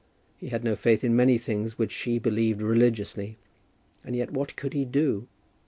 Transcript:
He had no faith in many things which she believed religiously; and yet what could he do?